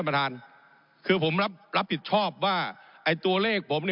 ผมอภิปรายเรื่องการขยายสมภาษณ์รถไฟฟ้าสายสีเขียวนะครับ